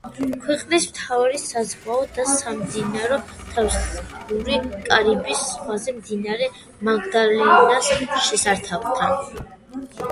ქვეყნის მთავარი საზღვაო და სამდინარო ნავსადგური კარიბის ზღვაზე, მდინარე მაგდალენას შესართავთან.